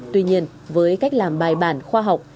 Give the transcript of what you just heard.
tuy nhiên với cách làm bài bản khoa học